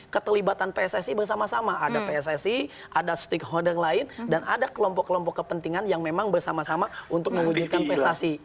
keterlibatan pssi bersama sama ada pssi ada stakeholder lain dan ada kelompok kelompok kepentingan yang memang bersama sama untuk mewujudkan prestasi